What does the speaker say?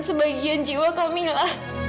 dan sebagian jiwa kak mila